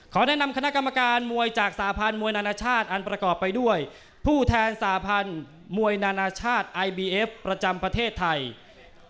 ขอแนะนำคณะกรรมการมวยจากสาธารณ์มวยนานาชาติอันประกอบไปด้วยผู้แทนสาธารณ์มวยนานาชาติไอบีเอฟประจำประเทศไทยคุณสมพงศ์อัชชานุเคราะห์